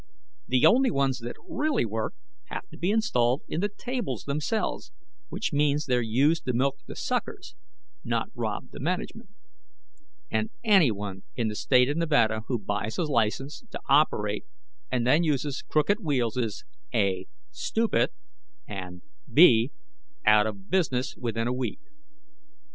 The only ones that really work have to be installed in the tables themselves, which means they're used to milk the suckers, not rob the management. And anyone in the State of Nevada who buys a license to operate and then uses crooked wheels is (a) stupid, and (b) out of business within a week.